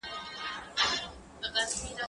زه اوږده وخت سندري اورم وم!؟